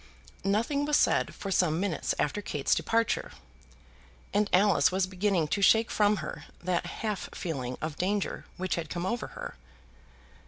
Nothing was said for some minutes after Kate's departure, and Alice was beginning to shake from her that half feeling of danger which had come over her.